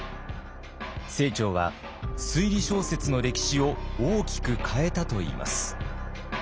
清張は推理小説の歴史を大きく変えたといいます。